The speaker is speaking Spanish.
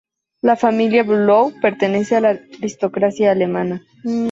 La familia Bülow pertenece a la aristocracia alemana.